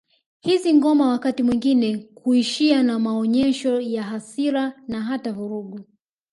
Hizi ngoma wakati mwingine huishia na maonyesho ya hasira na hata vurugu